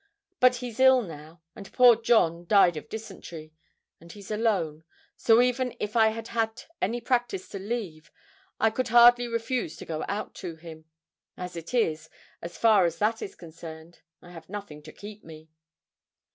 But he's ill now, and poor John died of dysentery, and he's alone, so even if I had had any practice to leave I could hardly refuse to go out to him. As it is, as far as that is concerned, I have nothing to keep me.'